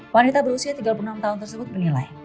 wanita berusia tiga puluh enam tahun tersebut bernilai